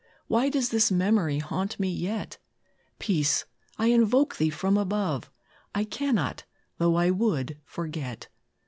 Why does this memory haunt me yet? Peace! I invoke thee from above, I cannot, though I would, forget.